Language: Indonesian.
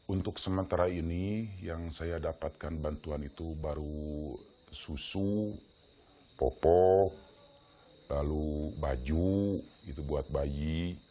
untuk sementara ini yang saya dapatkan bantuan itu baru susu popok lalu baju buat bayi